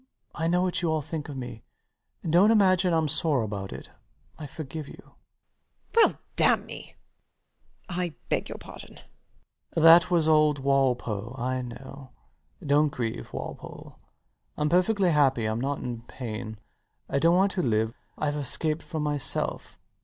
I know what you all think of me. Dont imagine I'm sore about it. I forgive you. WALPOLE [involuntarily] Well, damn me! [Ashamed] I beg your pardon. LOUIS. That was old Walpole, I know. Don't grieve, Walpole. I'm perfectly happy. I'm not in pain. I don't want to live. Ive escaped from myself.